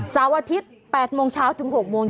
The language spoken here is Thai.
เสาร์อาทิตย์๘โมงเช้าถึง๖โมงเย็น